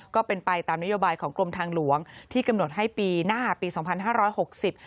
ก็เป็นไปตามนโยบายของกรมทางหลวงที่กำหนดให้ปีหน้าปีสองพันห้าร้อยหกสิบ